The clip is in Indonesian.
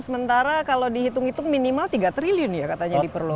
sementara kalau dihitung hitung minimal tiga triliun ya katanya diperlukan